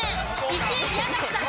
１位宮崎さん